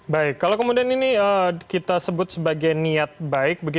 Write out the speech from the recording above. baik kalau kemudian ini kita sebut sebagai niat baik